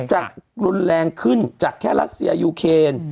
จะรุนแรงขึ้นจากแค่รัสเซียยูเคน